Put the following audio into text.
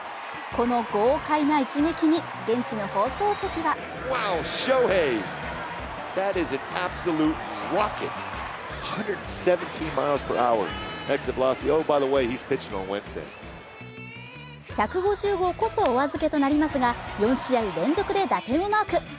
この豪快な一撃に現地の放送席は１５０号こそお預けとなりますが４試合連続で打点をマーク。